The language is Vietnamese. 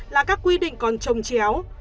là các quy định còn trông chéo